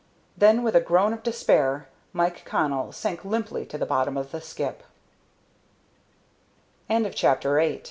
Then, with a groan of despair, Mike Connell sank limply to the bottom of the skip. CHAPTER IX WINNING A